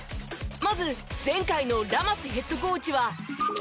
まず前回のラマスヘッドコーチは。